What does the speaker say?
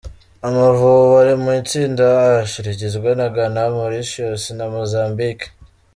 Amavubi ari mu itsinda H rigizwe na Ghana , Mauritius na Mozambique.